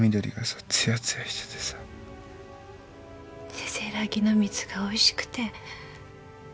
せせらぎの水がおいしくて。